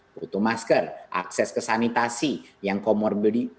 butuh masker akses ke sanitasi yang komorbiditasnya tinggi